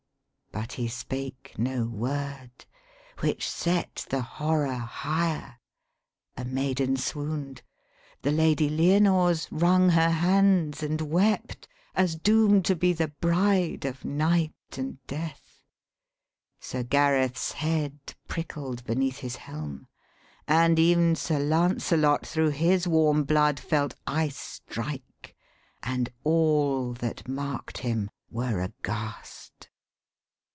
But he spake no word; Which set the horror higher: a maiden swoon'd; 199 THE SPEAKING VOICE The Lady Lyonors wrung her hands and wept, As doom'd to be the bride of Night and Death; Sir Gareth's head prickled beneath his helm; And ev'n Sir Lancelot thro' his warm blood felt Ice strike, and all that mark'd him were aghast.